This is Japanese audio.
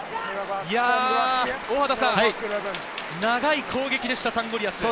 大畑さん、長い攻撃でした、サンゴリアス。